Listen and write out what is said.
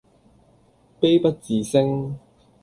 悲不自勝